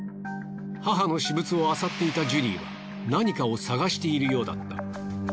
母の私物をあさっていたジュディは何かを探しているようだった。